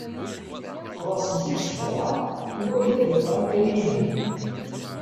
Ffɣeɣ zik seg uxxam i wakken ad d-afeɣ amkan i yelhan.